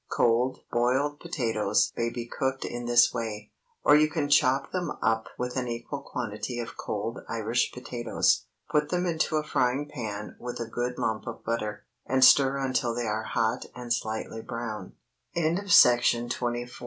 Cold boiled potatoes may be cooked in this way. Or you can chop them up with an equal quantity of cold Irish potatoes, put them into a frying pan with a good lump of butter, and stir until they are hot and slightly brown. CABBAGE. BOILED CABBAGE.